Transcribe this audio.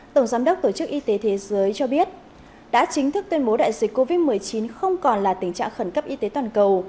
tổng giám đốc tổ chức y tế thế giới cho biết đã chính thức tuyên bố đại dịch covid một mươi chín không còn là tình trạng khẩn cấp y tế toàn cầu